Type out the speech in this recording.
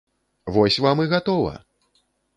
Вось вам і гатова!